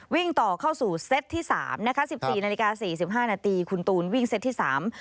วิ่งต่อเข้าสู่เซตที่๓นะคะ๑๔น๔๕นคุณตูนวิ่งเซตที่๓